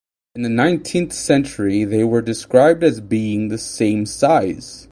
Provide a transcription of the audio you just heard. In the nineteenth century they were described as being the same size.